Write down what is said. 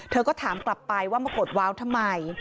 เธอก็ถามกลับไปว่ามากดว้าวทำไม